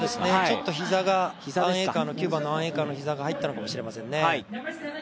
ちょっと９番のアン・エイカの膝が入ったのかもしれませんね。